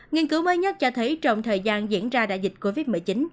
nghiên cứu mới nhất cho thấy trong thời gian diễn ra đại dịch covid một mươi chín